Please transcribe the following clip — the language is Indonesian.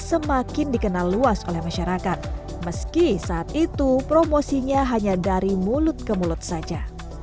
semakin dikenal luas oleh masyarakat meski saat itu promosinya hanya dari mulut ke mulut saja